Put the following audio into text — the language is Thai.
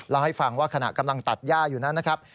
เล่าให้ฟังว่าขณะกำลังตัดย่าอยู่นั้นนะครับ